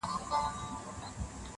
چا د آس اوږده لکۍ ور مچوله -